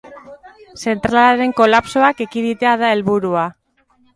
Zentralaren kolapsoak ekiditea da helburua.